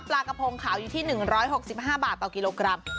ปลากระพงขาวอยู่ที่๑๖๕บาทต่อกิโลกรัม